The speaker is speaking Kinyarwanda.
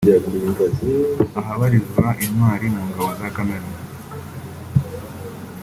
ahabarizwa intwari mu ngabo za Cameroun